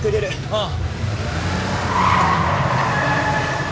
ああ。